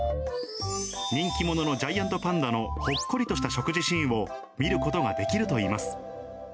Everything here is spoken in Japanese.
人気者のジャイアントパンダのほっこりとした食事シーンを見ることができるといいます。